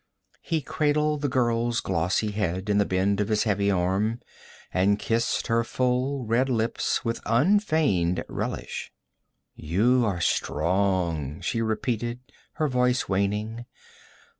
He cradled the girl's glossy head in the bend of his heavy arm, and kissed her full red lips with unfeigned relish. 'You are strong,' she repeated, her voice waning.